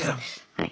はい。